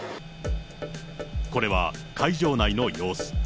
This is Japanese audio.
これは会場内の様子。